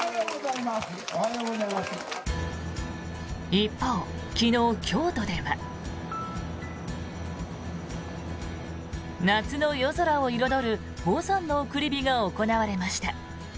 一方、昨日、京都では。夏の夜空を彩る五山送り火が行われました。